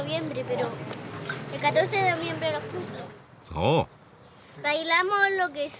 そう。